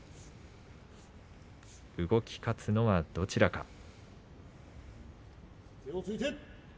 動き勝つのはどちらか。